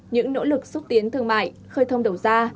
những nỗ lực xúc tiến thương mại khơi thông đầu ra